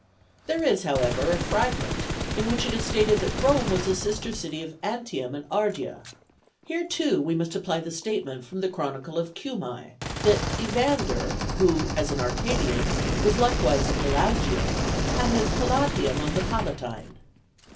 There is, however, a fragment in which it is stated that Rome was a sister city of Antium and Ardea; here too we must apply the statement from the chronicle of Cumæ, that Evander, who, as an Arcadian, was likewise a Pelasgian, had his palatium on the Palatine.